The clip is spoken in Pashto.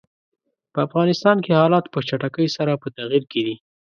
په افغانستان کې حالات په چټکۍ سره په تغییر کې دي.